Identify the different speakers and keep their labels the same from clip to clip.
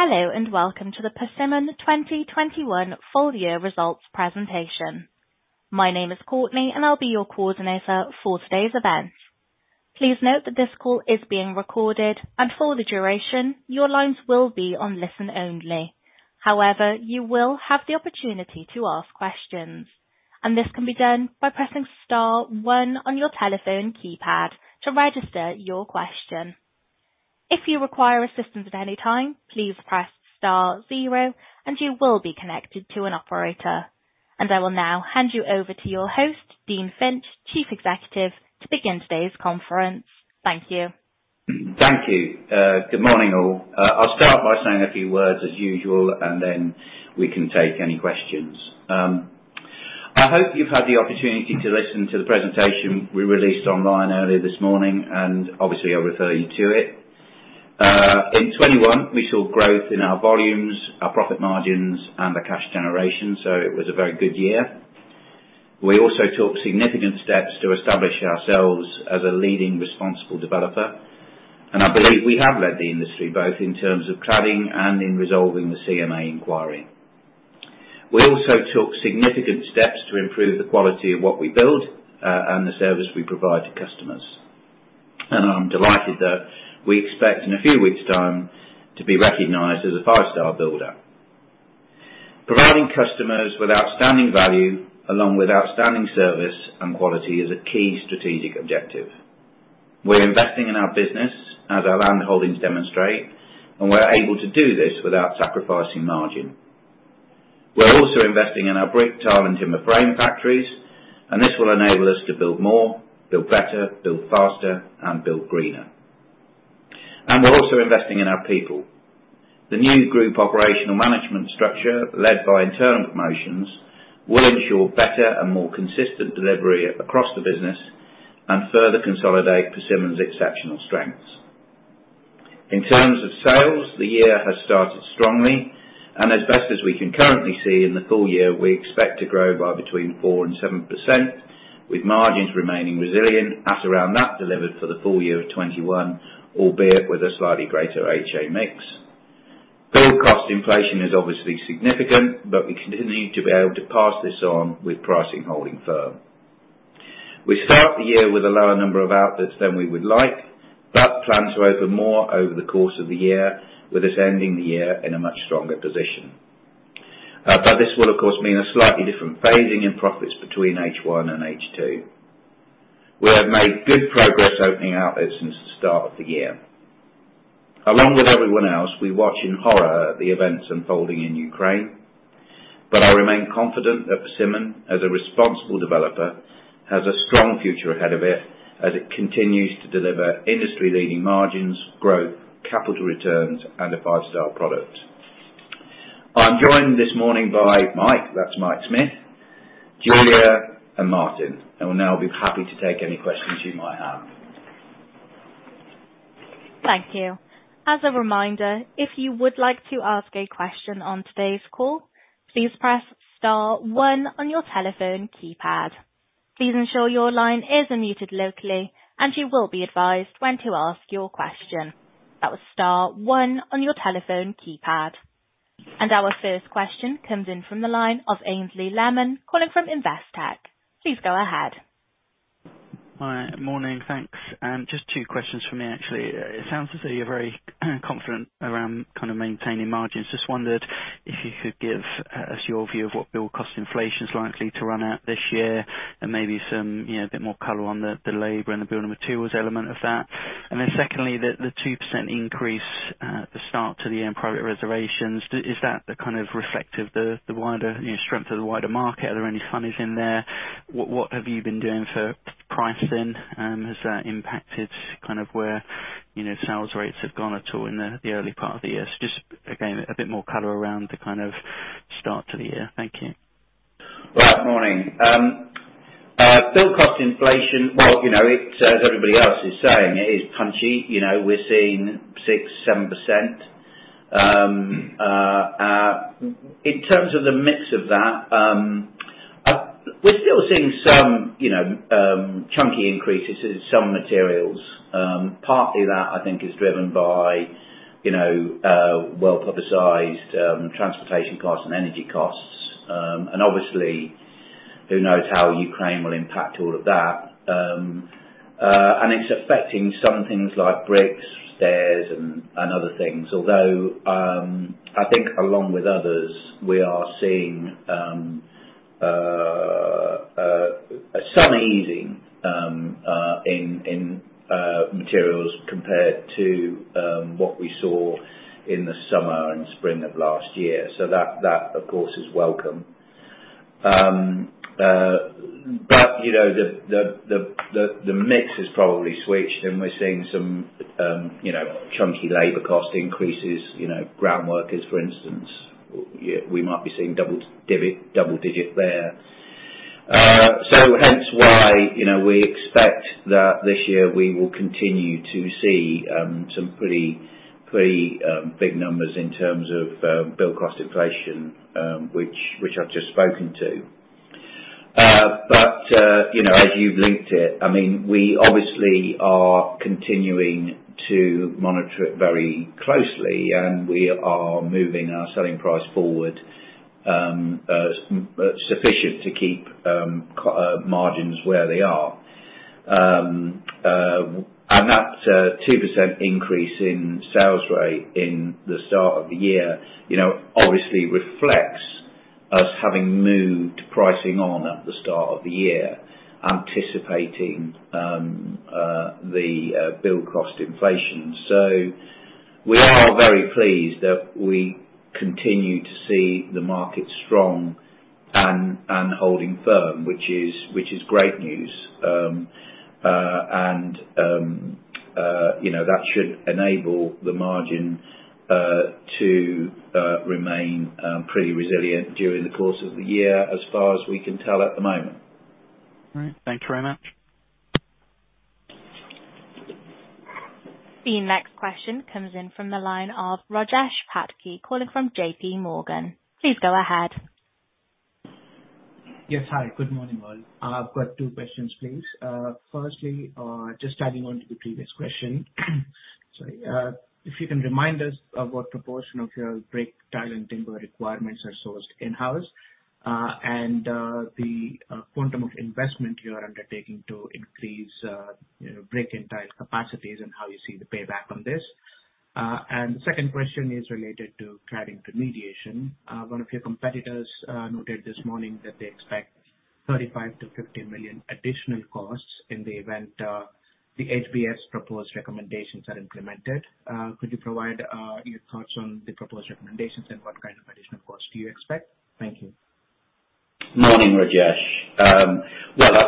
Speaker 1: Hello, and welcome to the Persimmon 2021 full year results presentation. My name is Courtney, and I'll be your coordinator for today's event. Please note that this call is being recorded, and for the duration, your lines will be on listen-only. However, you will have the opportunity to ask questions, and this can be done by pressing star one on your telephone keypad to register your question. If you require assistance at any time, please press star zero and you will be connected to an operator. I will now hand you over to your host, Dean Finch, Chief Executive, to begin today's conference. Thank you.
Speaker 2: Thank you. Good morning, all. I'll start by saying a few words as usual, and then we can take any questions. I hope you've had the opportunity to listen to the presentation we released online earlier this morning, and obviously I'll refer you to it. In 2021 we saw growth in our volumes, our profit margins and the cash generation. So it was a very good year. We also took significant steps to establish ourselves as a leading responsible developer, and I believe we have led the industry both in terms of cladding and in resolving the CMA inquiry. We also took significant steps to improve the quality of what we build, and the service we provide to customers. I'm delighted that we expect, in a few weeks' time, to be recognized as a five-star builder. Providing customers with outstanding value along with outstanding service and quality is a key strategic objective. We're investing in our business as our landholdings demonstrate, and we're able to do this without sacrificing margin. We're also investing in our brick, tile and timber frame factories, and this will enable us to build more, build better, build faster, and build greener. We're also investing in our people. The new group operational management structure led by internal promotions will ensure better and more consistent delivery across the business and further consolidate Persimmon's exceptional strengths. In terms of sales, the year has started strongly and as best as we can currently see in the full year, we expect to grow by between 4% and 7% with margins remaining resilient at around that delivered for the full year of 2021, albeit with a slightly greater HA mix. Build cost inflation is obviously significant, but we continue to be able to pass this on with pricing holding firm. We start the year with a lower number of outlets than we would like, but plan to open more over the course of the year, with us ending the year in a much stronger position. This will of course mean a slightly different phasing in profits between H1 and H2. We have made good progress opening outlets since the start of the year. Along with everyone else, we watch in horror at the events unfolding in Ukraine. I remain confident that Persimmon, as a responsible developer, has a strong future ahead of it as it continues to deliver industry-leading margins, growth, capital returns and a five-star product. I'm joined this morning by Mike, that's Mike Smith, Julia and Martyn, and will now be happy to take any questions you might have.
Speaker 1: Thank you. As a reminder, if you would like to ask a question on today's call, please press star one on your telephone keypad. Please ensure your line is unmuted locally and you will be advised when to ask your question. That was star one on your telephone keypad. Our first question comes in from the line of Aynsley Lammin calling from Investec. Please go ahead.
Speaker 3: Hi. Morning. Thanks. Just two questions from me actually. It sounds as though you're very confident around kind of maintaining margins. Just wondered if you could give us your view of what build cost inflation is likely to run at this year and maybe some, you know, a bit more color on the labor and the building materials element of that. And then secondly, the 2% increase at the start to the end private reservations. Is that kind of reflective of the wider, you know, strength of the wider market? Are there any funnies in there? What have you been doing for price then? Has that impacted kind of where, you know, sales rates have gone at all in the early part of the year? Just again, a bit more color around the kind of start to the year. Thank you.
Speaker 2: Right. Morning. Build-cost inflation. Well, you know, it's as everybody else is saying, it is punchy. You know, we're seeing 6%-7%. In terms of the mix of that, we're still seeing some, you know, chunky increases in some materials. Partly that I think is driven by, you know, well-publicized transportation costs and energy costs. Obviously, who knows how Ukraine will impact all of that. It's affecting some things like bricks, stairs and other things. Although, I think along with others, we are seeing some easing in materials compared to what we saw in the summer and spring of last year. That of course is welcome. You know, the mix has probably switched and we're seeing some, you know, chunky labor cost increases, you know, ground workers, for instance. We might be seeing double-digit there. Hence why, you know, we expect that this year we will continue to see some pretty big numbers in terms of build cost inflation, which I've just spoken to. You know, as you've linked it, I mean, we obviously are continuing to monitor it very closely, and we are moving our selling price forward, sufficient to keep margins where they are. That 2% increase in sales rate at the start of the year, you know, obviously reflects us having moved pricing on at the start of the year, anticipating the build cost inflation. We are very pleased that we continue to see the market strong and holding firm, which is great news. You know, that should enable the margin to remain pretty resilient during the course of the year as far as we can tell at the moment.
Speaker 3: All right. Thank you very much.
Speaker 1: The next question comes in from the line of Rajesh Patki calling from J.P. Morgan. Please go ahead.
Speaker 4: Yes. Hi. Good morning, all. I've got two questions, please. Firstly, just adding on to the previous question. Sorry. If you can remind us of what proportion of your brick, tile, and timber requirements are sourced in-house, and the quantum of investment you are undertaking to increase, you know, brick and tile capacities, and how you see the payback on this. And the second question is related to cladding remediation. One of your competitors noted this morning that they expect 35 million-50 million additional costs in the event the HBF proposed recommendations are implemented. Could you provide your thoughts on the proposed recommendations and what kind of additional costs do you expect? Thank you.
Speaker 2: Morning, Rajesh. I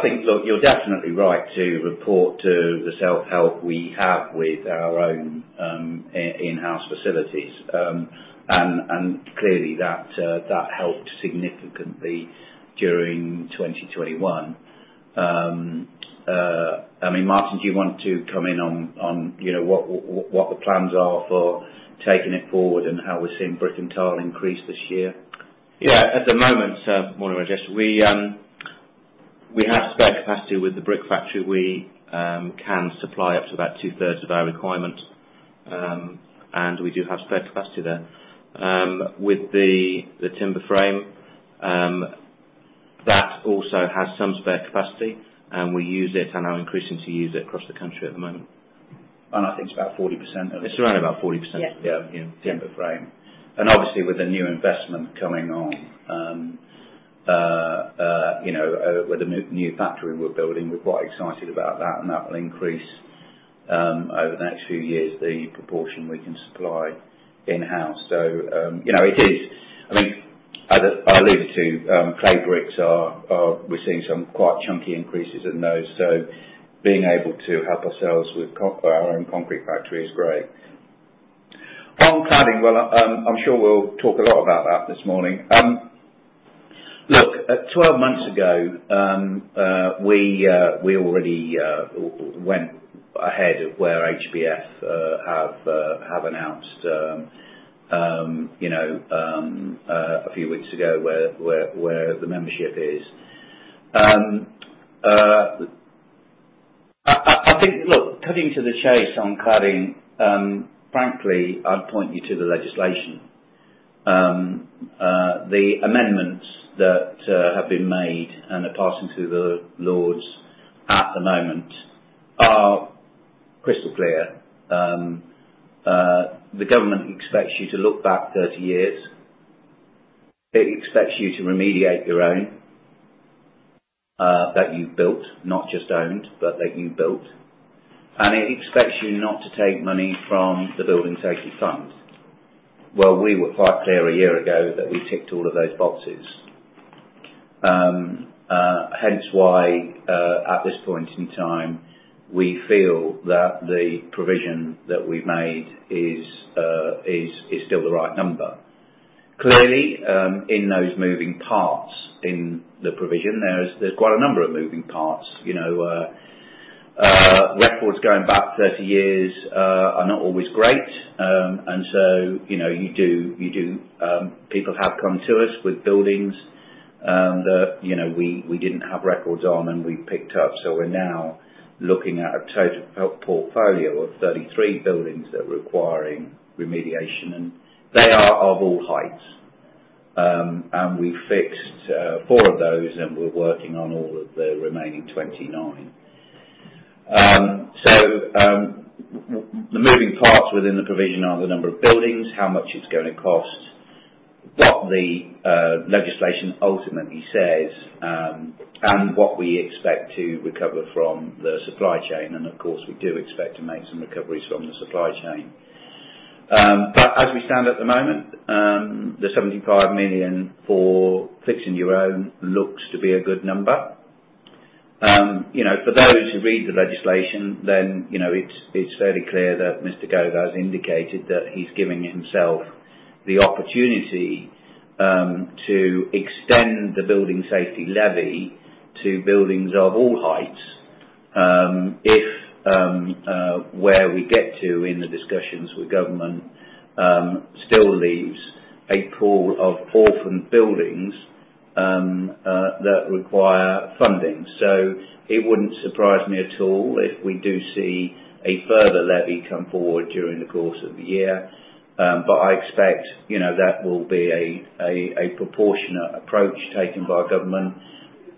Speaker 2: think you're definitely right to refer to the self-help we have with our own in-house facilities. Clearly, that helped significantly during 2021. I mean, Martyn, do you want to come in on you know what the plans are for taking it forward and how we're seeing brick and tile increase this year?
Speaker 5: Yeah. At the moment, morning, Rajesh, we have spare capacity with the brick factory. We can supply up to about 2/3 of our requirement, and we do have spare capacity there. With the timber frame, that also has some spare capacity, and we use it and are increasing to use it across the country at the moment.
Speaker 2: I think it's about 40% of it.
Speaker 5: It's around about 40%.
Speaker 2: Yeah.
Speaker 5: Timber frame. Obviously, with the new investment coming on, you know, with the new factory we're building, we're quite excited about that, and that will increase over the next few years, the proportion we can supply in-house. You know, it is. I think as I alluded to, clay bricks are we're seeing some quite chunky increases in those. Being able to help ourselves with our own concrete factory is great. On cladding, well, I'm sure we'll talk a lot about that this morning. Look, 12 months ago, we already went ahead of where HBF have announced, you know, a few weeks ago, where the membership is. I think. Look, cutting to the chase on cladding, frankly, I'd point you to the legislation. The amendments that have been made and are passing through the Lords at the moment are crystal clear. The government expects you to look back 30 years. It expects you to remediate your own, that you've built, not just owned, but that you built, and it expects you not to take money from the Building Safety Fund. Well, we were quite clear a year ago that we ticked all of those boxes. Hence why, at this point in time, we feel that the provision that we've made is still the right number. Clearly, in those moving parts in the provision, there's quite a number of moving parts, you know, records going back 30 years are not always great. You know, you do, people have come to us with buildings that you know we didn't have records on, and we picked up. We're now looking at a total portfolio of 33 buildings that are requiring remediation, and they are of all heights. We fixed four of those, and we're working on all of the remaining 29. The moving parts within the provision are the number of buildings, how much it's gonna cost, what the legislation ultimately says, and what we expect to recover from the supply chain, and of course, we do expect to make some recoveries from the supply chain. As we stand at the moment, the 75 million for fixing your own looks to be a good number. You know, for those who read the legislation, you know, it's fairly clear that Mr. Gove has indicated that he's giving himself the opportunity to extend the Building Safety Levy to buildings of all heights. If where we get to in the discussions with government still leaves a pool of orphan buildings that require funding. It wouldn't surprise me at all if we do see a further levy come forward during the course of the year. I expect, you know, that will be a proportionate approach taken by our government.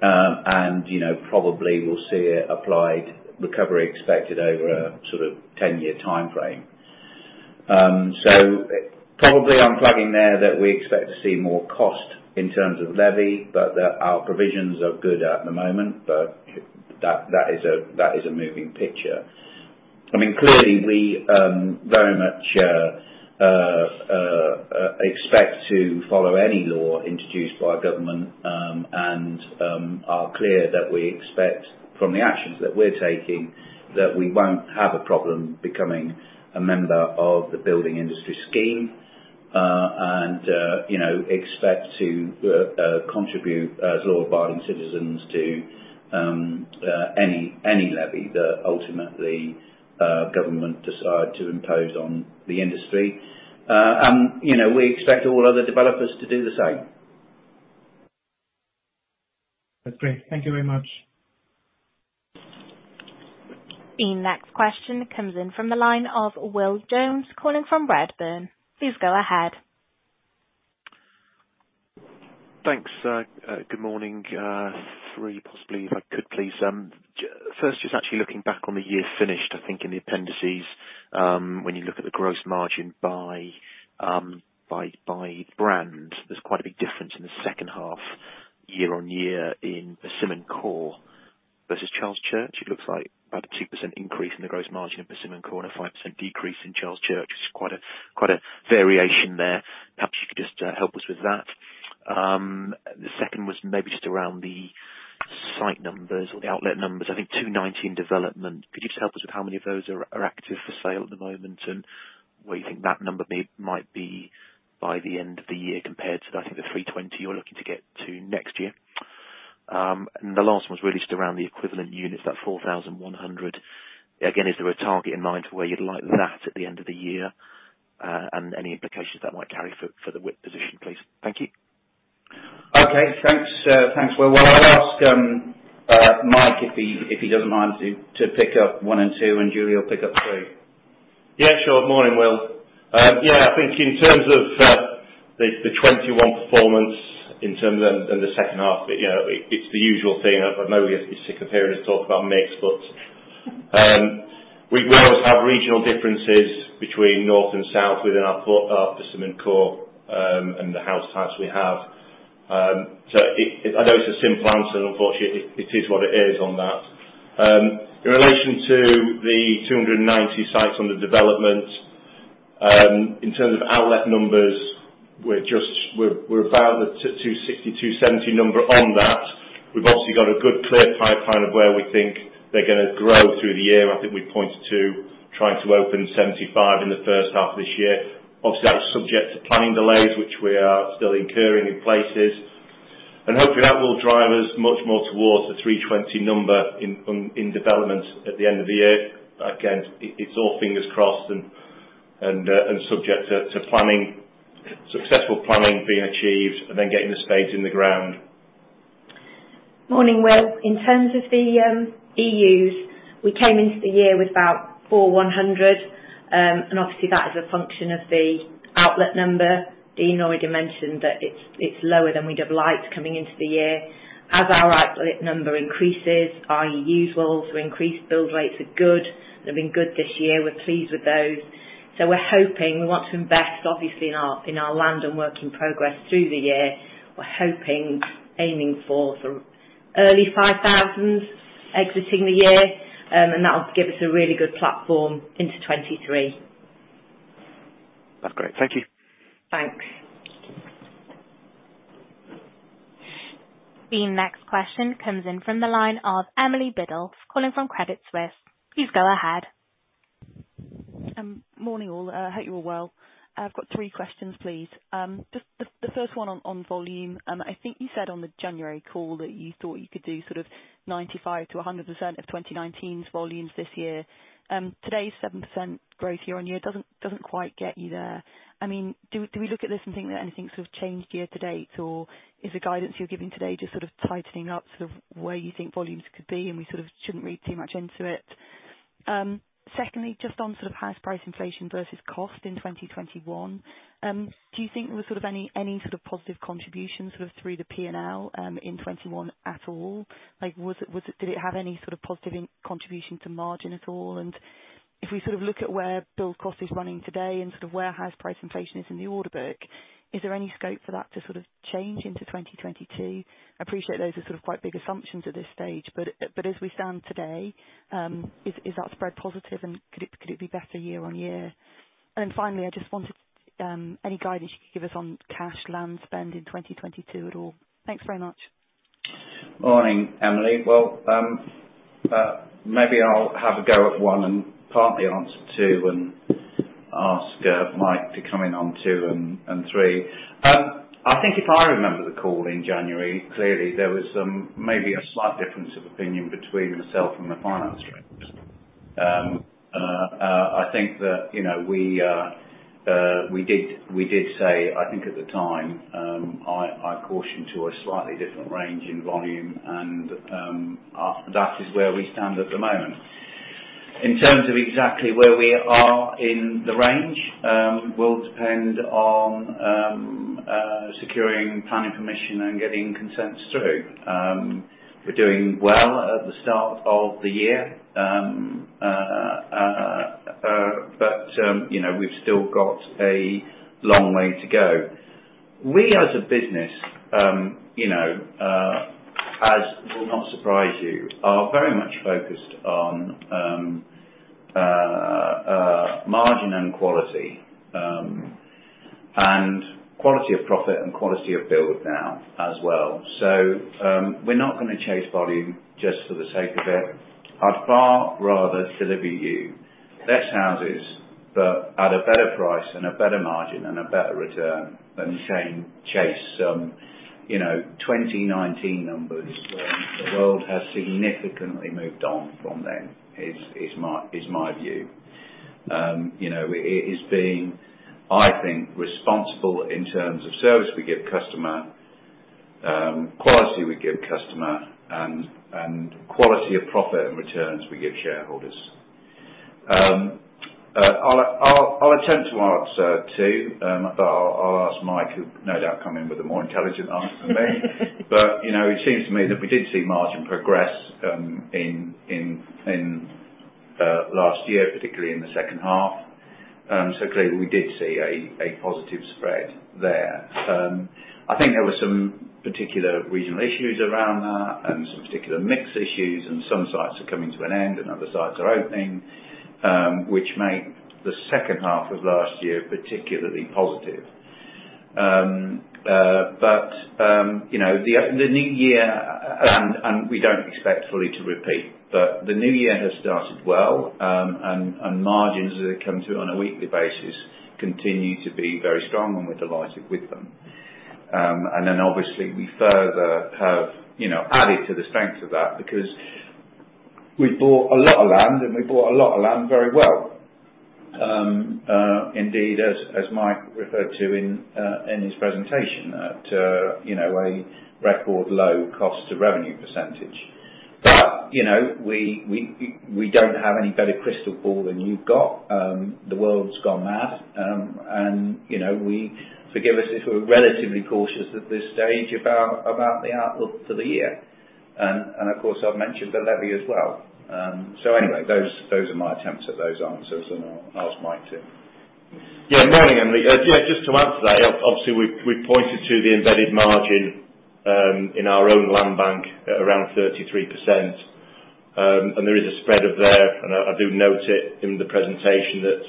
Speaker 5: Probably we'll see it applied with recovery expected over a sort of 10-year timeframe. Probably implying there that we expect to see more cost in terms of levy, but that our provisions are good at the moment. That is a moving picture. I mean, clearly we very much expect to follow any law introduced by government and are clear that we expect from the actions that we're taking that we won't have a problem becoming a member of the building industry scheme and you know expect to contribute as law-abiding citizens to any levy that ultimately government decide to impose on the industry. You know, we expect all other developers to do the same.
Speaker 4: That's great. Thank you very much.
Speaker 1: The next question comes in from the line of Will Jones, calling from Redburn. Please go ahead.
Speaker 6: Thanks. Good morning. Three, possibly if I could, please. First, just actually looking back on the year finished. I think in the appendices, when you look at the gross margin by brand, there's quite a big difference in the second half year-on-year in Persimmon Homes versus Charles Church. It looks like about a 2% increase in the gross margin of Persimmon Homes and a 5% decrease in Charles Church. It's quite a variation there. Perhaps you could just help us with that. The second was maybe just around the site numbers or the outlet numbers, I think 290 in development. Could you just help us with how many of those are active for sale at the moment, and where you think that number might be by the end of the year compared to, I think the 320 you're looking to get to next year. The last one is really just around the equivalent units, that 4,100. Again, is there a target in mind where you'd like that at the end of the year, and any implications that might carry for the WIP position, please? Thank you.
Speaker 2: Okay. Thanks. Thanks, Will. Well, I'll ask Mike, if he doesn't mind to pick up one and two, and Julie will pick up three.
Speaker 7: Yeah, sure. Morning, Will. Yeah, I think in terms of the 2021 performance in terms of and the second half, you know, it's the usual thing. I know you're sick of hearing us talk about mix, but we always have regional differences between north and south within our Persimmon Homes and the house types we have. So, I know it's a simple answer, unfortunately, it is what it is on that. In relation to the 290 sites under development, in terms of outlet numbers, we're about the 260, 270 number on that. We've obviously got a good clear pipeline of where we think they're gonna grow through the year. I think we pointed to trying to open 75 in the first half of this year. Obviously, that's subject to planning delays, which we are still incurring in places. Hopefully, that will drive us much more towards the 320 number in development at the end of the year. Again, it's all fingers crossed and subject to successful planning being achieved and then getting the spades in the ground.
Speaker 8: Morning, Will. In terms of the units, we came into the year with about 400, and obviously, that is a function of the outlet number. Dean already mentioned that it's lower than we'd have liked coming into the year. As our outlet number increases, our units will also increase. Build rates are good. They've been good this year. We're pleased with those. We're hoping we want to invest, obviously, in our land and work in progress through the year. We're hoping, aiming for sort of early 5,000 exiting the year, and that will give us a really good platform into 2023.
Speaker 6: That's great. Thank you.
Speaker 8: Thanks.
Speaker 1: The next question comes in from the line of Emily Biddulph calling from Credit Suisse. Please go ahead.
Speaker 9: Morning, all. Hope you're well. I've got three questions, please. Just the first one on volume. I think you said on the January call that you thought you could do sort of 95%-100% of 2019's volumes this year. Today's 7% growth year-on-year doesn't quite get you there. I mean, do we look at this and think that anything sort of changed year to date, or is the guidance you're giving today just sort of tightening up sort of where you think volumes could be, and we sort of shouldn't read too much into it? Secondly, just on sort of house price inflation versus cost in 2021, do you think there was sort of any sort of positive contribution sort of through the P&L in 2021 at all? Like, did it have any sort of positive contribution to margin at all? If we sort of look at where build cost is running today and sort of where house price inflation is in the order book, is there any scope for that to sort of change into 2022? I appreciate those are sort of quite big assumptions at this stage, but as we stand today, is that spread positive, and could it be better year-on-year? Then finally, I just wanted any guidance you could give us on cash land spend in 2022 at all. Thanks very much.
Speaker 2: Morning, Emily. Well, maybe I'll have a go at one and partly answer two and ask Mike to come in on two and three. I think if I remember the call in January, clearly there was maybe a slight difference of opinion between myself and the finance director. I think that, you know, we did say, I think at the time, I cautioned to a slightly different range in volume and that is where we stand at the moment. In terms of exactly where we are in the range, it will depend on securing planning permission and getting consents through. We're doing well at the start of the year, but you know, we've still got a long way to go. We as a business, you know, as will not surprise you, are very much focused on margin and quality. Quality of profit and quality of build now as well. We're not gonna chase volume just for the sake of it. I'd far rather deliver you less houses, but at a better price and a better margin and a better return than saying chase some, you know, 2019 numbers when the world has significantly moved on from then, is my view. You know, it is being, I think, responsible in terms of service we give customer, quality we give customer and quality of profit and returns we give shareholders. I'll attempt to answer two, but I'll ask Mike who no doubt come in with a more intelligent answer than me. You know, it seems to me that we did see margin progress in last year, particularly in the second half. Clearly we did see a positive spread there. I think there were some particular regional issues around that and some particular mix issues, and some sites are coming to an end and other sites are opening, which make the second half of last year particularly positive. You know, the new year and we don't expect fully to repeat, but the new year has started well, and margins as they come through on a weekly basis continue to be very strong, and we're delighted with them. Obviously we further have, you know, added to the strength of that because we bought a lot of land and we bought a lot of land very well. Indeed as Mike referred to in his presentation at, you know, a record low cost to revenue percentage. You know, we don't have any better crystal ball than you've got. The world's gone mad. You know, we forgive us if we're relatively cautious at this stage about the outlook for the year. Of course I've mentioned the levy as well. Anyway, those are my attempts at those answers, and I'll ask Mike too.
Speaker 7: Yeah, morning Emily. Yeah, just to add to that, obviously we pointed to the embedded margin in our own land bank at around 33%. There is a spread of there and I do note it in the presentation that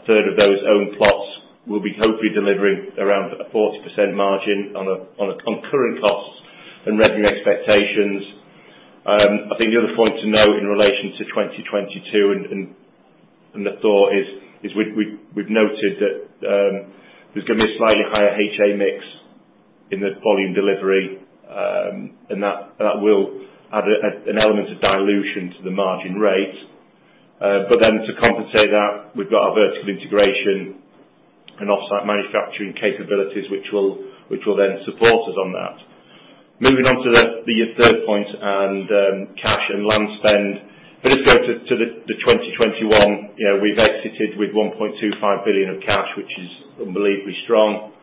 Speaker 7: a third of those own plots will be hopefully delivering around a 40% margin on a concurrent costs and revenue expectations. I think the other point to note in relation to 2022 and the thought is we've noted that there's gonna be a slightly higher HA mix in the volume delivery and that will add an element of dilution to the margin rate. To compensate that, we've got our vertical integration and offsite manufacturing capabilities which will then support us on that. Moving on to the third point and cash and land spend. If you go to the 2021, you know, we've exited with 1.25 billion of cash which is unbelievably strong.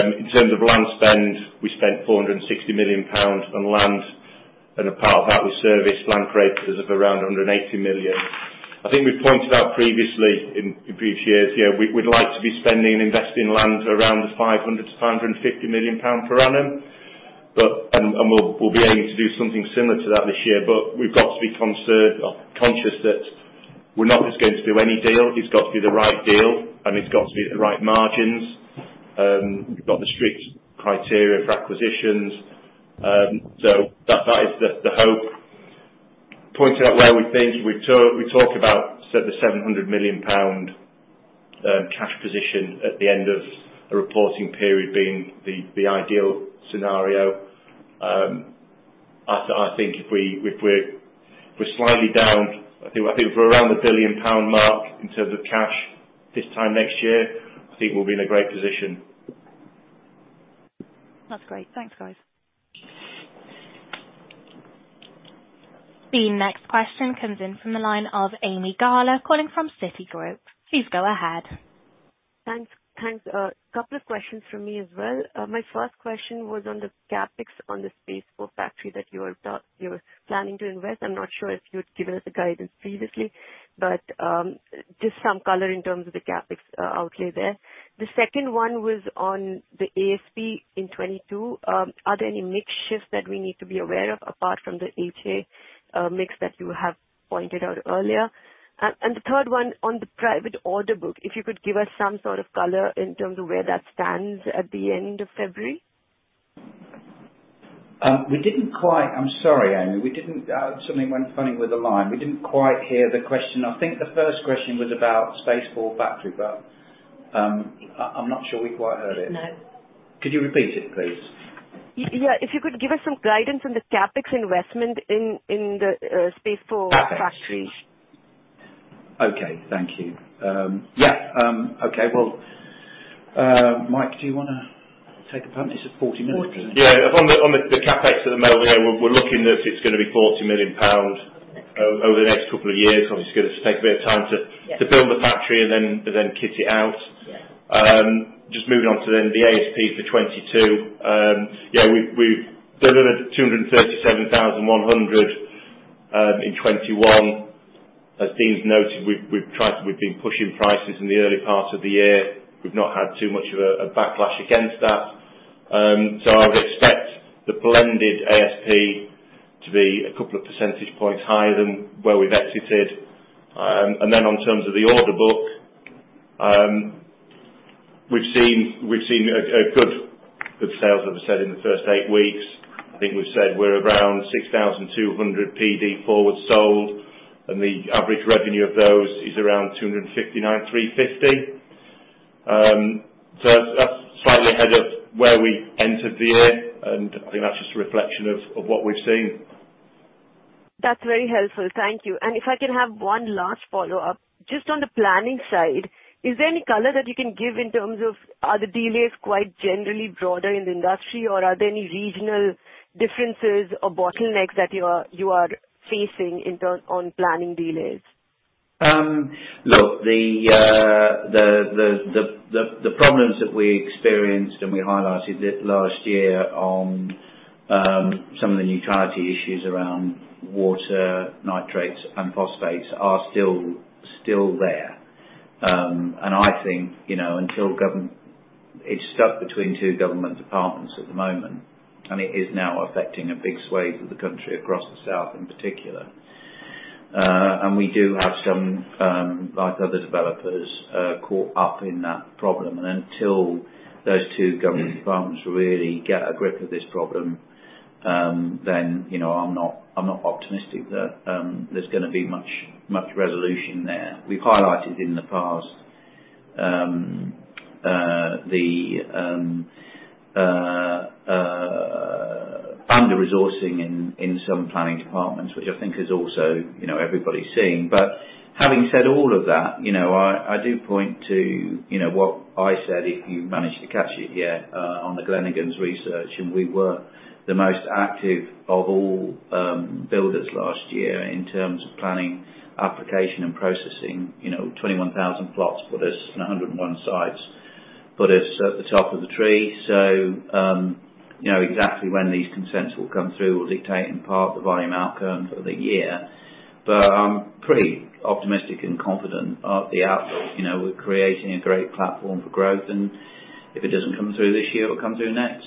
Speaker 7: In terms of land spend, we spent 460 million pounds on land, and a part of that we strategic land acquisitions of around 180 million. I think we've pointed out previously in previous years, you know, we'd like to be spending and investing in land around the 500 million-550 million pound per annum. But we'll be able to do something similar to that this year. But we've got to be conscious that we're not just going to do any deal. It's got to be the right deal and it's got to be at the right margins. We've got the strict criteria for acquisitions. That is the hope. Pointing out where we've been, we talk about say the 700 million pound cash position at the end of a reporting period being the ideal scenario. I think if we're slightly down, I think if we're around a 1 billion pound mark in terms of cash this time next year, I think we'll be in a great position.
Speaker 9: That's great. Thanks, guys.
Speaker 1: The next question comes in from the line of Ami Galla, calling from Citigroup. Please go ahead.
Speaker 10: Thanks. A couple of questions from me as well. My first question was on the CapEx on the Space4 factory you're planning to invest. I'm not sure if you'd given us guidance previously, but just some color in terms of the CapEx outlay there. The second one was on the ASP in 2022. Are there any mix shifts that we need to be aware of apart from the HA mix that you have pointed out earlier? The third one on the private order book, if you could give us some sort of color in terms of where that stands at the end of February.
Speaker 2: I'm sorry, Ami. Something went funny with the line. We didn't quite hear the question. I think the first question was about Space4 factory, but I'm not sure we quite heard it.
Speaker 10: No.
Speaker 2: Could you repeat it, please?
Speaker 10: Yeah. If you could give us some guidance on the CapEx investment in the Space4 factory.
Speaker 2: Okay. Thank you. Well, Mike, do you wanna take a punt? Is it 40 million?
Speaker 10: 40.
Speaker 7: Yeah. On the CapEx at the moment, we're looking that it's gonna be 40 million pounds over the next couple of years. Obviously, it's gonna take a bit of time to-
Speaker 10: Yeah.
Speaker 7: to build the battery and then kit it out.
Speaker 10: Yeah.
Speaker 7: Just moving on to the ASP for 2022. Yeah, we've delivered 237,100 in 2021. As Dean's noted, we've tried, we've been pushing prices in the early part of the year. We've not had too much of a backlash against that. I would expect the blended ASP to be a couple of percentage points higher than where we've exited. On terms of the order book, we've seen a good sales, as I said in the first eight weeks. I think we've said we're around 6,200 PD forward sold, and the average revenue of those is around 259,350. That's slightly ahead of where we entered the year, and I think that's just a reflection of what we've seen.
Speaker 10: That's very helpful. Thank you. If I can have one last follow-up. Just on the planning side, is there any color that you can give in terms of, are the delays quite generally broader in the industry, or are there any regional differences or bottlenecks that you are facing in terms of planning delays?
Speaker 2: Look, the problems that we experienced and we highlighted last year on some of the nutrient neutrality issues around water, nitrates, and phosphates are still there. I think, you know, until government. It's stuck between two government departments at the moment, and it is now affecting a big swathe of the country across the south in particular. We do have some, like other developers, caught up in that problem. Until those two government departments really get a grip of this problem, then, you know, I'm not optimistic that there's gonna be much resolution there. We've highlighted in the past under-resourcing in some planning departments, which I think is also, you know, everybody's seeing. Having said all of that, you know, I do point to, you know, what I said, if you managed to catch it yet, on the Glenigan's research, and we were the most active of all builders last year in terms of planning application and processing. You know, 21,000 plots put us and 101 sites put us at the top of the tree. Exactly when these consents will come through will dictate in part the volume outcome for the year. I'm pretty optimistic and confident of the outlook. You know, we're creating a great platform for growth, and if it doesn't come through this year, it'll come through next.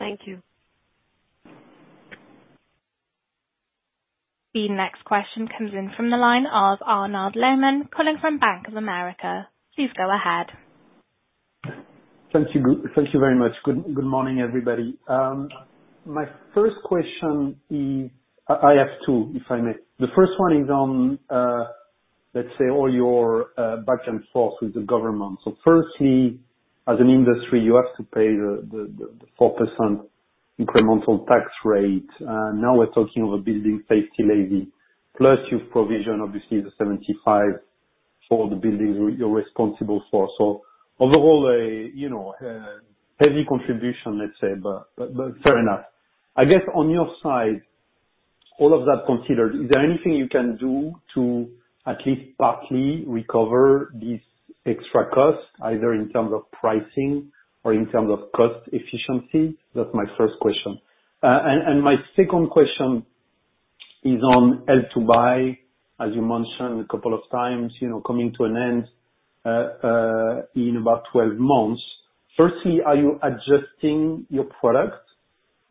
Speaker 10: Thank you.
Speaker 1: The next question comes in from the line of Arnaud Lehmann calling from Bank of America. Please go ahead.
Speaker 11: Thank you. Thank you very much. Good morning, everybody. I have two, if I may. The first one is on, let's say, all your back and forth with the government. Firstly, as an industry, you have to pay the 4% incremental tax rate. Now we're talking of a Building Safety Levy, plus you've provisioned obviously the 75 million for the buildings you're responsible for. Overall, a heavy contribution, let's say, but fair enough. I guess on your side, all of that considered, is there anything you can do to at least partly recover these extra costs, either in terms of pricing or in terms of cost efficiency? That's my first question. My second question is on Help to Buy, as you mentioned a couple of times, you know, coming to an end in about 12 months. Firstly, are you adjusting your products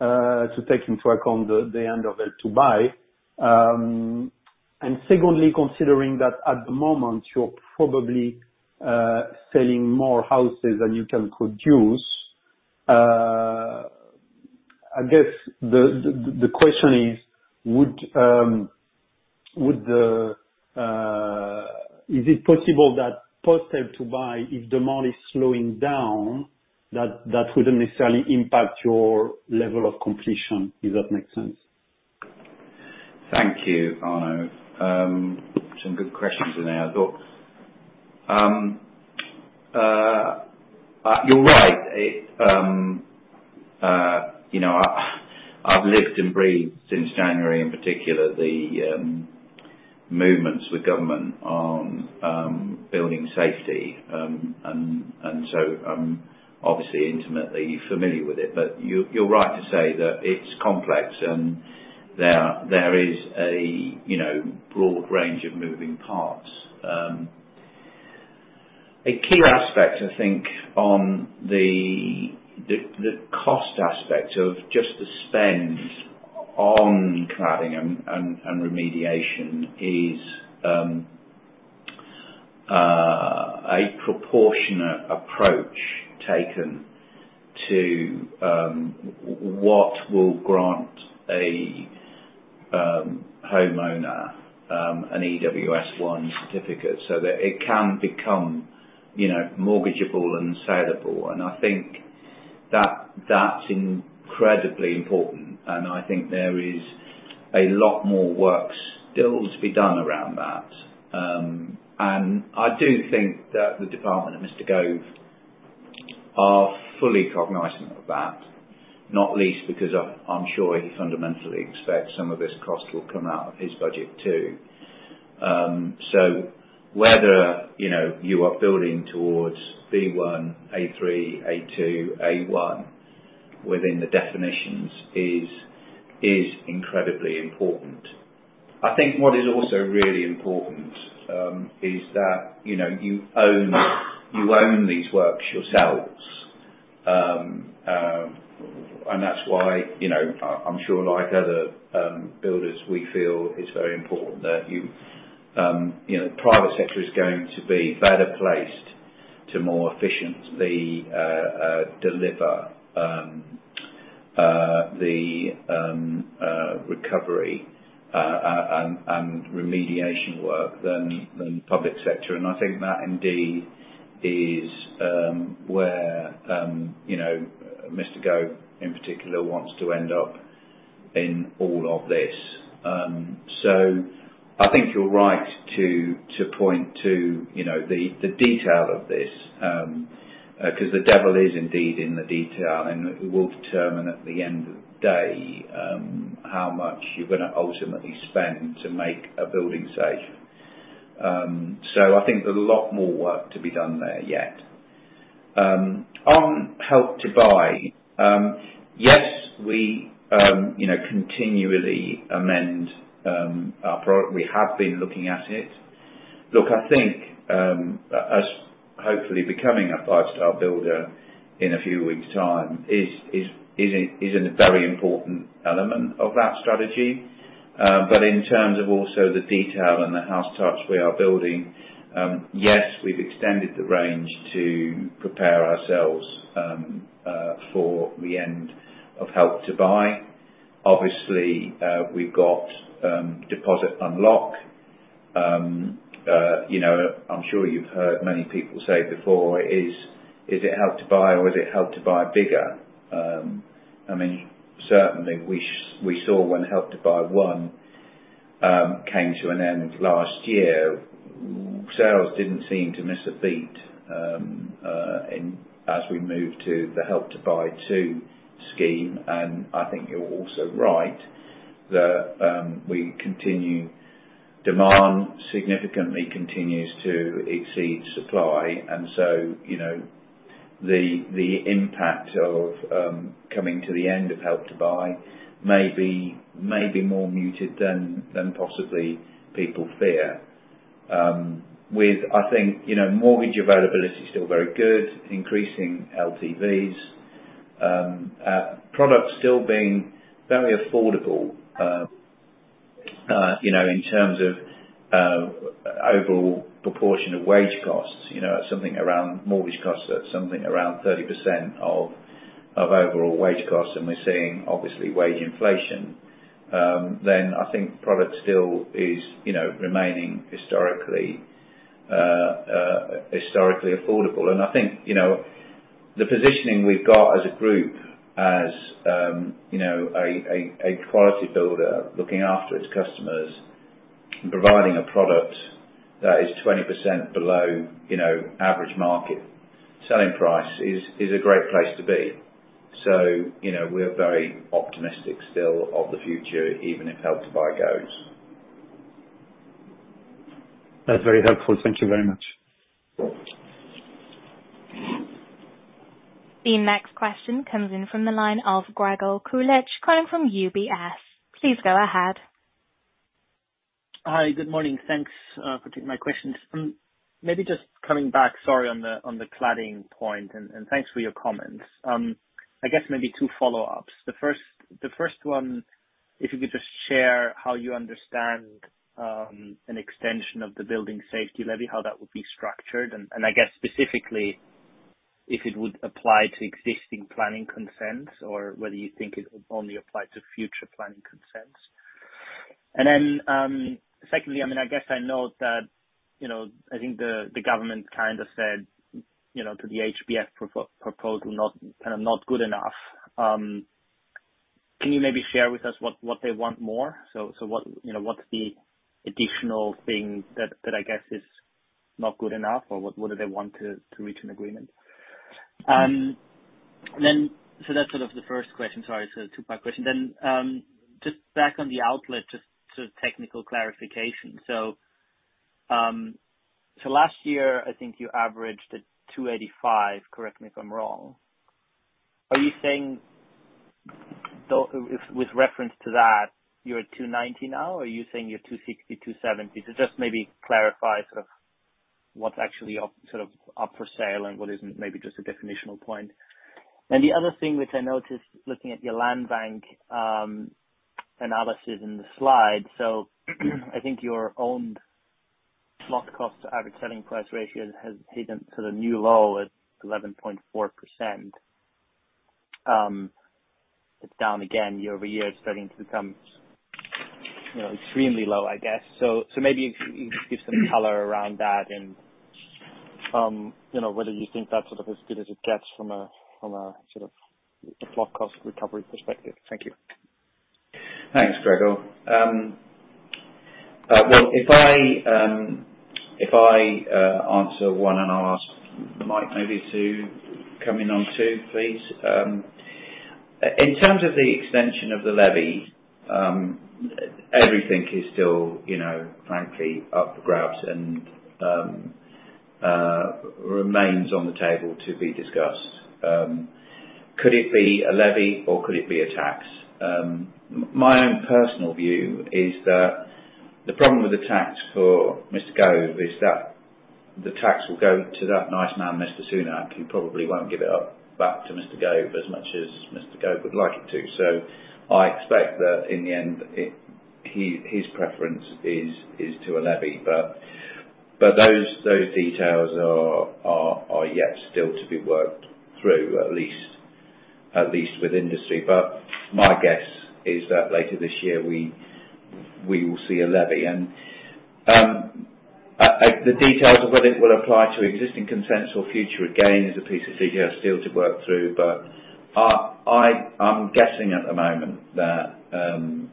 Speaker 11: to take into account the end of Help to Buy? Secondly, considering that at the moment you're probably selling more houses than you can produce, I guess the question is it possible that post Help to Buy, if demand is slowing down, that wouldn't necessarily impact your level of completion? If that makes sense.
Speaker 2: Thank you, Arnaud. Some good questions in there. Look, you're right. It's you know, I've lived and breathed since January, in particular the movements with government on building safety. I'm obviously intimately familiar with it. But you're right to say that it's complex and there is a you know, broad range of moving parts. A key aspect I think on the cost aspect of just the spend on cladding and remediation is a proportionate approach taken to what will grant a homeowner an EWS1 certificate so that it can become you know, mortgageable and sellable. I think that that's incredibly important, and I think there is a lot more work still to be done around that. I do think that the department and Mr. Gove are fully cognizant of that, not least because I'm sure he fundamentally expects some of this cost will come out of his budget too. Whether, you know, you are building towards B1, A3, A2, A1 within the definitions is incredibly important. I think what is also really important is that, you know, you own these works yourselves. That's why, you know, I'm sure like other builders, we feel it's very important that you know, the private sector is going to be better placed to more efficiently deliver the recovery and remediation work than the public sector. I think that indeed is where, you know, Mr. Gove, in particular, wants to end up in all of this. I think you're right to point to, you know, the detail of this, 'cause the devil is indeed in the detail, and it will determine at the end of the day, how much you're gonna ultimately spend to make a building safe. I think there's a lot more work to be done there yet. On Help to Buy, yes, we, you know, continually amend our product. We have been looking at it. Look, I think us hopefully becoming a five-star builder in a few weeks' time is a very important element of that strategy. In terms of also the detail and the house types we are building, yes, we've extended the range to prepare ourselves for the end of Help to Buy. Obviously, we've got Deposit Unlock. You know, I'm sure you've heard many people say before, is it Help to Buy or is it Help to Buy bigger? I mean, certainly we saw when Help to Buy one came to an end last year, sales didn't seem to miss a beat as we moved to the Help to Buy 2 scheme. I think you're also right that demand significantly continues to exceed supply. You know, the impact of coming to the end of Help to Buy may be more muted than possibly people fear. With, I think, you know, mortgage availability still very good, increasing LTVs, products still being very affordable, you know, in terms of overall proportion of wage costs. You know, mortgage costs are around 30% of overall wage costs, and we're seeing obviously wage inflation. I think product still is, you know, remaining historically affordable. I think, you know, the positioning we've got as a group as a quality builder looking after its customers, providing a product that is 20% below, you know, average market selling price is a great place to be. You know, we're very optimistic still of the future, even if Help to Buy goes.
Speaker 11: That's very helpful. Thank you very much.
Speaker 1: The next question comes in from the line of Gregor Kuglitsch, calling from UBS. Please go ahead.
Speaker 12: Hi. Good morning. Thanks for taking my questions. Maybe just coming back, sorry, on the cladding point, and thanks for your comments. I guess maybe two follow-ups. The first one, if you could just share how you understand an extension of the Building Safety Levy, how that would be structured, and I guess specifically if it would apply to existing planning consents or whether you think it would only apply to future planning consents. Then, secondly, I mean, I guess I know that, you know, I think the government kind of said, you know, to the HBF proposal kind of not good enough. Can you maybe share with us what they want more? What, you know, what's the additional thing that I guess is not good enough or what do they want to reach an agreement? That's sort of the first question. Sorry, it's a two-part question. Just back on the outlet, just sort of technical clarification. So last year, I think you averaged at 285, correct me if I'm wrong. Are you saying with reference to that, you're at 290 now or are you saying you're 260, 270? Just maybe clarify sort of what's actually up, sort of up for sale and what isn't, maybe just a definitional point. The other thing which I noticed looking at your land bank, analysis in the slide. I think your owned plot cost to average selling price ratio has hit a sort of new low at 11.4%. It's down again year-over-year. It's starting to become, you know, extremely low, I guess. Maybe if you can give some color around that and, you know, whether you think that's sort of as good as it gets from a sort of plot cost recovery perspective. Thank you.
Speaker 2: Thanks, Gregor. Well, if I answer one, and I'll ask Mike maybe to come in on two, please. In terms of the extension of the levy, everything is still, you know, frankly up for grabs and remains on the table to be discussed. Could it be a levy or could it be a tax? My own personal view is that the problem with the tax for Mr. Gove is that the tax will go to that nice man, Mr. Sunak. He probably won't give it up back to Mr. Gove as much as Mr. Gove would like it to. I expect that in the end, he his preference is to a levy. Those details are yet still to be worked through, at least with industry. My guess is that later this year, we will see a levy. The details of whether it will apply to existing consents or future, again, is a piece of figuring still to work through. I'm guessing at the moment that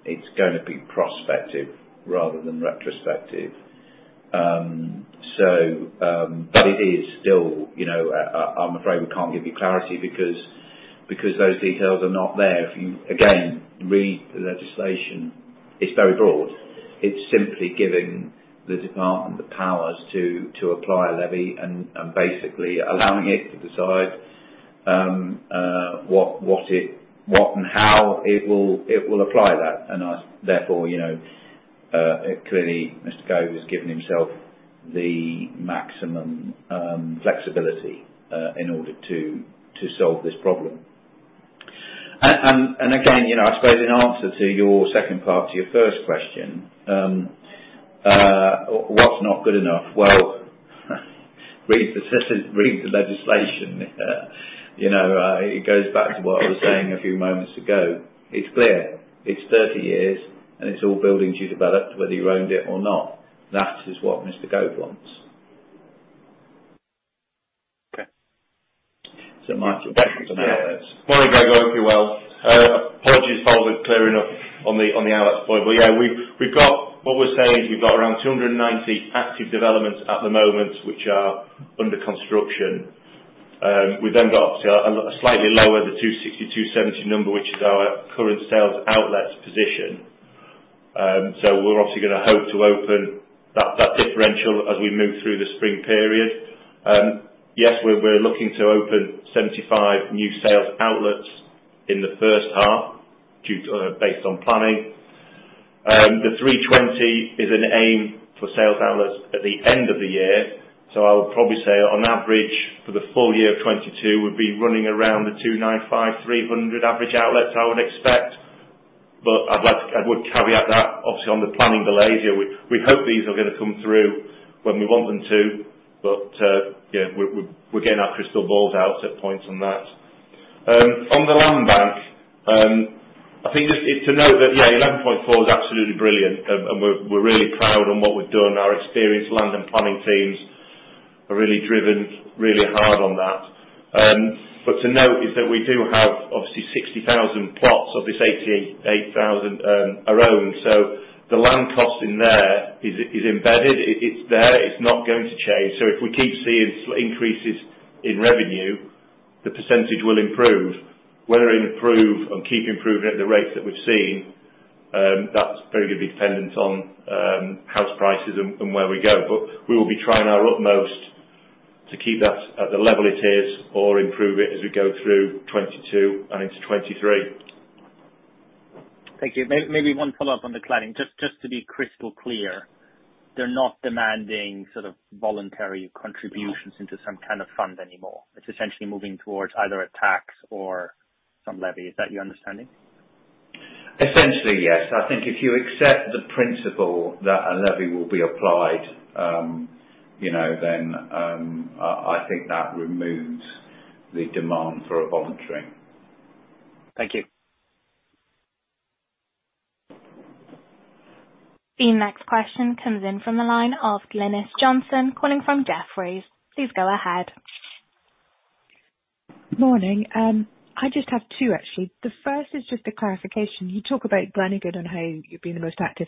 Speaker 2: it's gonna be prospective rather than retrospective. It is still, you know, I'm afraid we can't give you clarity because those details are not there. If you, again, read the legislation, it's very broad. It's simply giving the department the powers to apply a levy and basically allowing it to decide what and how it will apply that. Thus, therefore, you know, clearly Mr. Gove has given himself the maximum flexibility in order to solve this problem. Again, you know, I suppose in answer to your second part to your first question, what's not good enough? Well, read the legislation. You know, it goes back to what I was saying a few moments ago. It's clear it's 30 years, and it's all buildings you developed, whether you owned it or not. That is what Mr. Gove wants.
Speaker 12: Okay.
Speaker 2: Mike, you're back on that one.
Speaker 7: Yeah. Morning, Gregor. Hope you're well. Apologies if I wasn't clear enough on the outlets point. Yeah, what we're saying is we've got around 290 active developments at the moment which are under construction. We've then got a slightly lower, the 260-270 number, which is our current sales outlets position. We're obviously gonna hope to open that differential as we move through the spring period. Yes, we're looking to open 75 new sales outlets in the first half based on planning. The 320 is an aim for sales outlets at the end of the year. I would probably say on average for the full year of 2022, we'll be running around the 295-300 average outlets, I would expect. I would caveat that obviously on the planning delay here. We hope these are gonna come through when we want them to, but yeah, we're getting our crystal balls out at points on that. On the land bank, I think just to note that, yeah, 11.4 is absolutely brilliant and we're really proud of what we've done. Our experienced land and planning teams have really driven hard on that. But to note is that we do have obviously 60,000 plots of this 88,000 are owned. The land cost in there is embedded. It's there, it's not going to change. If we keep seeing increases in revenue, the percentage will improve. Whether it improve and keep improving at the rates that we've seen, that's very gonna be dependent on house prices and where we go. We will be trying our utmost to keep that at the level it is or improve it as we go through 2022 and into 2023.
Speaker 12: Thank you. Maybe one follow-up on the planning. Just to be crystal clear, they're not demanding sort of voluntary contributions into some kind of fund anymore. It's essentially moving towards either a tax or some levy. Is that your understanding?
Speaker 2: Essentially, yes. I think if you accept the principle that a levy will be applied, you know, then, I think that removes the demand for a voluntary.
Speaker 12: Thank you.
Speaker 1: The next question comes in from the line of Glynis Johnson, calling from Jefferies. Please go ahead.
Speaker 13: Morning. I just have two actually. The first is just a clarification. You talk about Glenigan and how you're being the most active.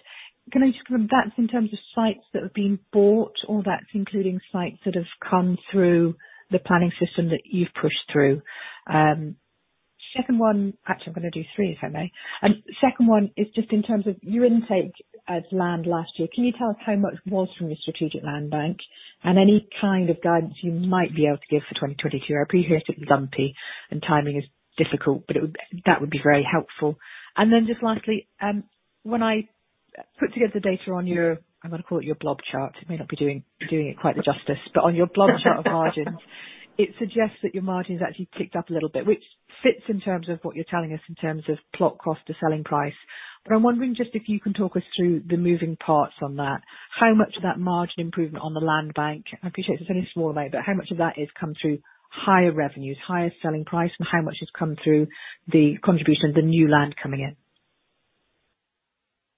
Speaker 13: Can I just confirm, that's in terms of sites that have been bought or that's including sites that have come through the planning system that you've pushed through? Actually, I'm gonna do three, if I may. Second one is just in terms of your intake of land last year, can you tell us how much was from your strategic land bank and any kind of guidance you might be able to give for 2022? I appreciate it's lumpy and timing is difficult, but that would be very helpful. Then just lastly, when I put together data on your, I'm gonna call it your blob chart. It may not be doing it quite the justice. On your plot chart of margins, it suggests that your margin's actually ticked up a little bit, which fits in terms of what you're telling us in terms of plot cost to selling price. I'm wondering just if you can talk us through the moving parts on that. How much of that margin improvement on the land bank, I appreciate it's a very small amount, but how much of that has come through higher revenues, higher selling price, and how much has come through the contribution of the new land coming in?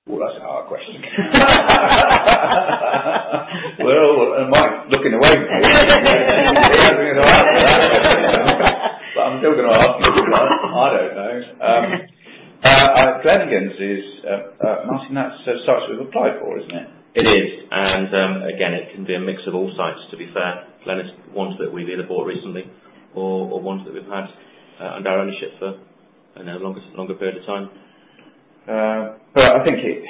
Speaker 2: Ooh, that's a hard question. Well, Mike's looking away from me. He hasn't got an answer. I'm still gonna ask him 'cause I don't know. Glenigan is, Martyn, that's sites we've applied for, isn't it?
Speaker 5: It is. Again, it can be a mix of all sites, to be fair. Glenigan's ones that we've either bought recently or ones that we've had under our ownership for, I don't know, a longer period of time. I think it,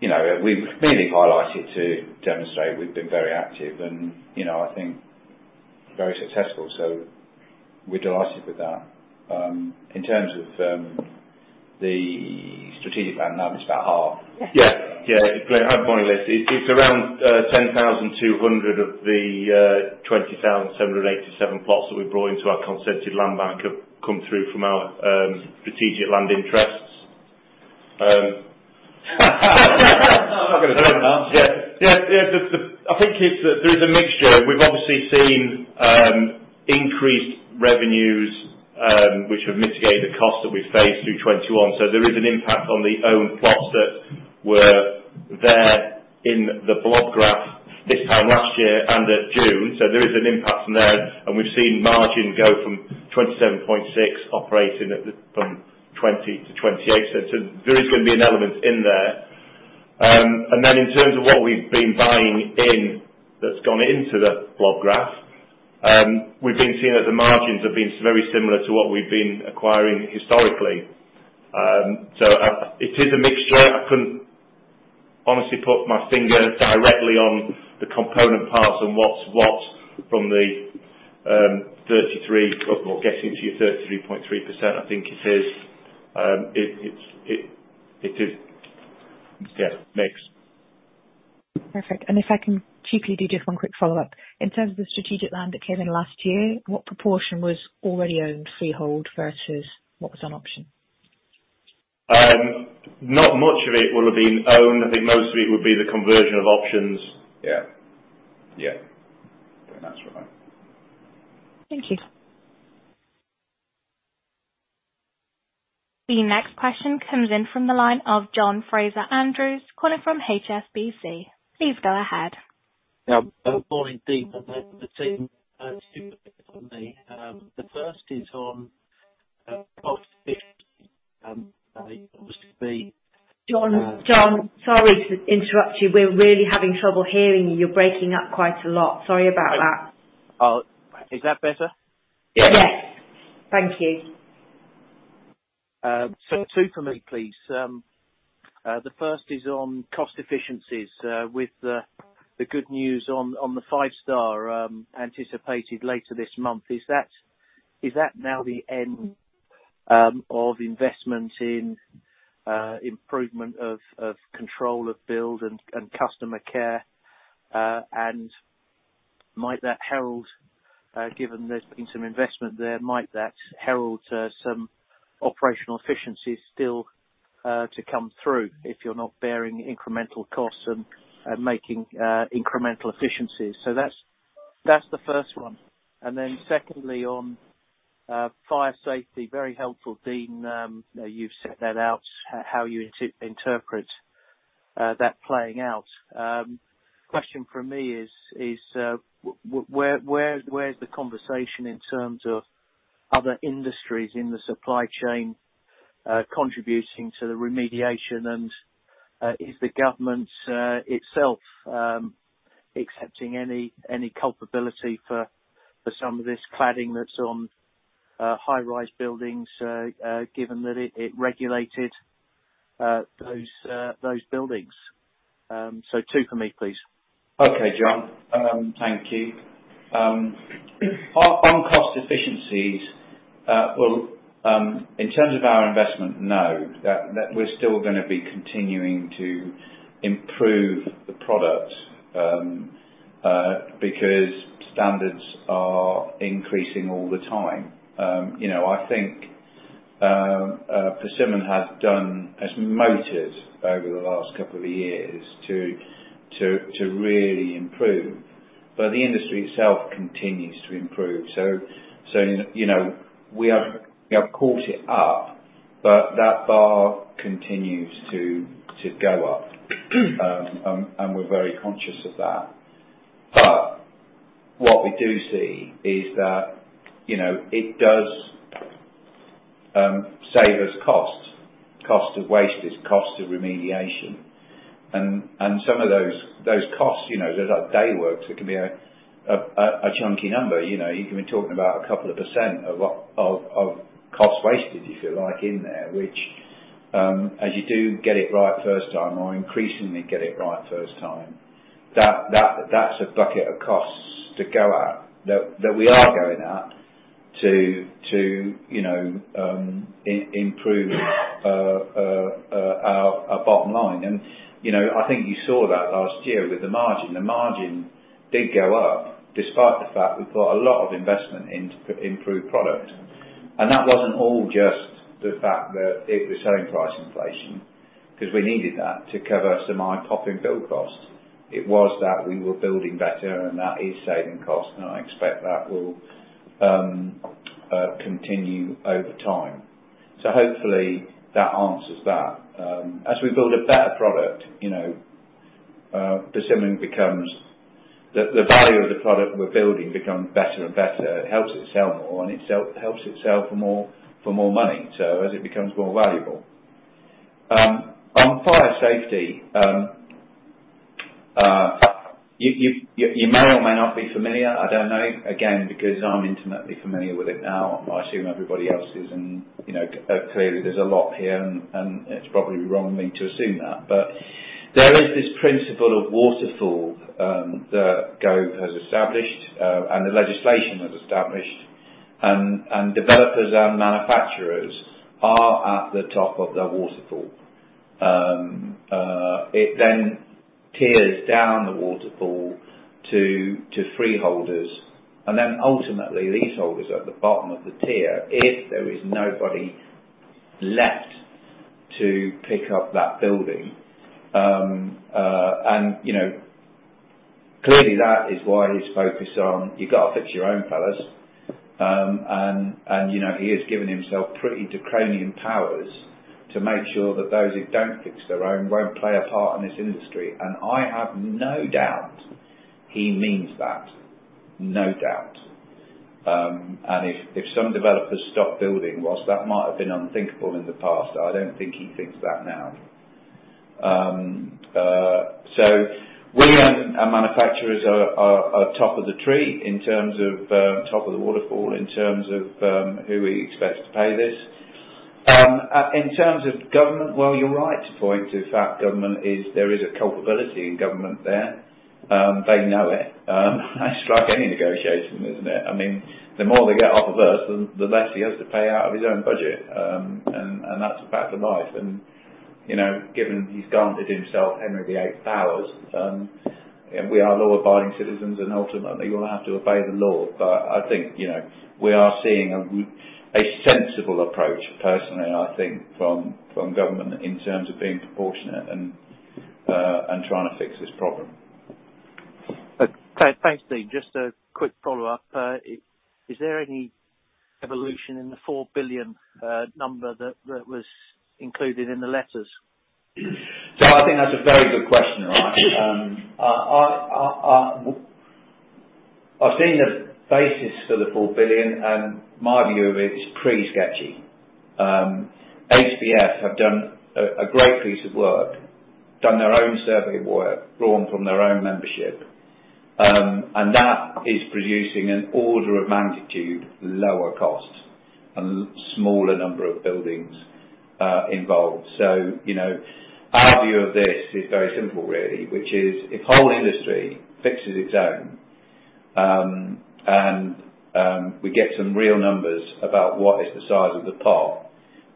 Speaker 5: you know, we've mainly highlighted to demonstrate we've been very active and, you know, I think very successful. We're delighted with that. In terms of the strategic land now, it's about half.
Speaker 2: Yeah, it's around 10,200 of the 20,787 plots that we've brought into our consented land bank have come through from our strategic land interests.
Speaker 5: I'm not gonna second that.
Speaker 7: I think it's that there is a mixture. We've obviously seen increased revenues, which have mitigated the costs that we faced through 2021. There is an impact on the own plots that were there in the land bank this time last year and at June. There is an impact from there. We've seen margin go from 27.6 operating from 20%-28%. There is gonna be an element in there. In terms of what we've been buying in that's gone into the land bank, we've been seeing that the margins have been very similar to what we've been acquiring historically. It is a mixture. I couldn't honestly put my finger directly on the component parts and what's what from the 33, or getting to your 33.3%, I think it is. It is, yeah, mixed.
Speaker 13: Perfect. If I can cheaply do just one quick follow-up. In terms of the strategic land that came in last year, what proportion was already owned freehold versus what was on option?
Speaker 7: Not much of it will have been owned. I think most of it would be the conversion of options.
Speaker 2: Yeah. Yeah. I think that's right.
Speaker 13: Thank you.
Speaker 1: The next question comes in from the line of John Fraser-Andrews calling from HSBC. Please go ahead.
Speaker 14: Yeah. Morning, Dean, and the team. Two from me. The first is on, obviously.
Speaker 1: John, sorry to interrupt you. We're really having trouble hearing you. You're breaking up quite a lot. Sorry about that.
Speaker 14: Oh, is that better?
Speaker 1: Yes. Thank you.
Speaker 14: Two for me, please. The first is on cost efficiencies with the good news on the five-star anticipated later this month. Is that now the end of investment in improvement of control of build and customer care? And might that herald, given there's been some investment there, some operational efficiencies still to come through if you're not bearing incremental costs and making incremental efficiencies? That's the first one. Secondly, on fire safety, very helpful, Dean. You've set that out, how you interpret that playing out. Question from me is, where's the conversation in terms of other industries in the supply chain contributing to the remediation? Is the government itself accepting any culpability for some of this cladding that's on high-rise buildings, given that it regulated those buildings? So two for me, please.
Speaker 2: Okay, John. Thank you. On cost efficiencies, well, in terms of our investment, no, that we're still gonna be continuing to improve the product because standards are increasing all the time. You know, I think Persimmon has motored over the last couple of years to really improve. The industry itself continues to improve. You know, we have caught it up, but that bar continues to go up. We're very conscious of that. What we do see is that, you know, it does save us costs, cost of wastage, cost of remediation. Some of those costs, you know, those are day works. It can be a chunky number, you know. You can be talking about a couple of % of what of cost wastage, if you like, in there, which, as you do get it right first time or increasingly get it right first time, that's a bucket of costs to go at, that we are going at to improve our bottom line. You know, I think you saw that last year with the margin. The margin did go up despite the fact we put a lot of investment into improved product. That wasn't all just the fact that it was selling price inflation, 'cause we needed that to cover some eye-popping build costs. It was that we were building better, and that is saving costs, and I expect that will continue over time. Hopefully that answers that. As we build a better product, you know, the value of the product we're building becomes better and better. It helps it sell more, and helps it sell for more, for more money, so as it becomes more valuable. On fire safety, you may or may not be familiar, I don't know. Again, because I'm intimately familiar with it now, I assume everybody else is, and you know, clearly there's a lot here and it's probably wrong of me to assume that. There is this principle of waterfall that Gove has established, and the legislation has established. Developers and manufacturers are at the top of the waterfall. It then tiers down the waterfall to freeholders, and then ultimately leaseholders are at the bottom of the tier if there is nobody left to pick up that building. You know, clearly that is why he's focused on you gotta fix your own fellas. You know, he has given himself pretty draconian powers to make sure that those who don't fix their own won't play a part in this industry. I have no doubt he means that. No doubt. If some developers stop building, while that might have been unthinkable in the past, I don't think he thinks that now. We and manufacturers are top of the tree in terms of top of the waterfall in terms of who we expect to pay this. In terms of government, well, you're right to point to the fact that government is culpable there. They know it. That's like any negotiation, isn't it? I mean, the more they get off of us, the less he has to pay out of his own budget. That's a fact of life. You know, given he's granted himself Henry VIII powers, and we are law-abiding citizens, and ultimately we'll have to obey the law. I think, you know, we are seeing a sensible approach, personally I think, from government in terms of being proportionate and trying to fix this problem.
Speaker 14: Thanks, Dean. Just a quick follow-up. Is there any evolution in the 4 billion number that was included in the letters?
Speaker 2: I think that's a very good question, John. I've seen the basis for the 4 billion, and my view of it is pretty sketchy. HBF have done a great piece of work, done their own survey work drawn from their own membership, and that is producing an order of magnitude lower cost and smaller number of buildings involved. You know, our view of this is very simple, really, which is if the whole industry fixes its own, and we get some real numbers about what is the size of the pot,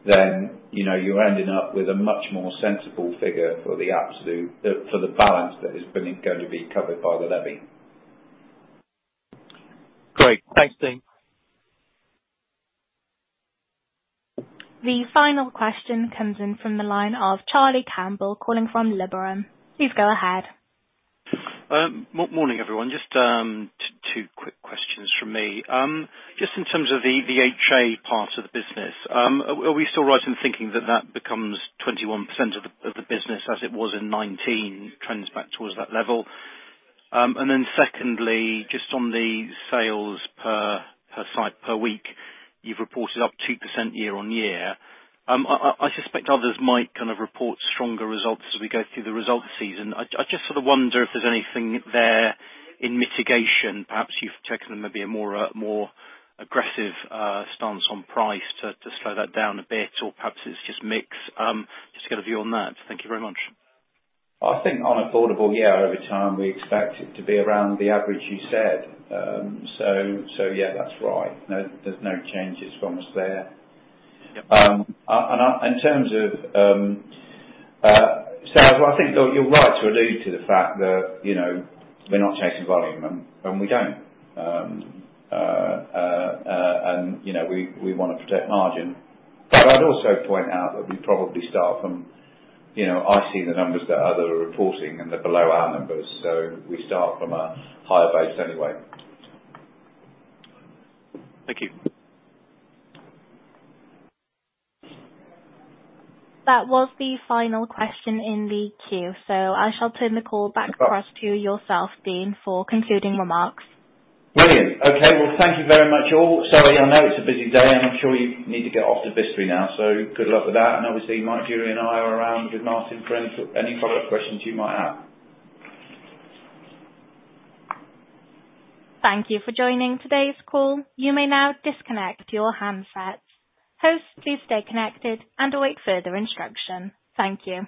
Speaker 2: then, you know, you're ending up with a much more sensible figure for the absolute, for the balance that is going to be covered by the levy.
Speaker 14: Great. Thanks, Dean.
Speaker 1: The final question comes in from the line of Charlie Campbell calling from Liberum. Please go ahead.
Speaker 15: Morning, everyone. Just two quick questions from me. Just in terms of the HA part of the business, are we still right in thinking that that becomes 21% of the business as it was in 2019, trends back towards that level? Secondly, just on the sales per site per week, you've reported up 2% year-over-year. I suspect others might kind of report stronger results as we go through the results season. I just sort of wonder if there's anything there in mitigation. Perhaps you've taken maybe a more aggressive stance on price to slow that down a bit, or perhaps it's just mix. Just get a view on that. Thank you very much.
Speaker 2: I think on affordable, yeah, over time, we expect it to be around the average you said. So yeah, that's right. No, there's no changes from us there.
Speaker 15: Yep.
Speaker 2: In terms of sales, I think you're right to allude to the fact that, you know, we're not chasing volume, and we don't. We wanna protect margin. I'd also point out that we probably start from a higher base anyway. You know, I see the numbers that others are reporting, and they're below our numbers, so we start from a higher base anyway.
Speaker 15: Thank you.
Speaker 1: That was the final question in the queue, so I shall turn the call back across to yourself, Dean, for concluding remarks.
Speaker 2: Brilliant. Okay. Well, thank you very much, all. Sorry, I know it's a busy day, and I'm sure you need to get off to Bicester now, so good luck with that. Obviously Mike, Julie, and I are around with Martyn for any product questions you might have.
Speaker 1: Thank you for joining today's call. You may now disconnect your handsets. Hosts, please stay connected and await further instruction. Thank you.